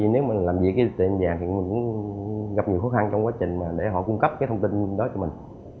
nếu mình làm việc với tiệm vàng thì mình cũng gặp nhiều khó khăn trong quá trình để họ cung cấp thông tin đó cho mình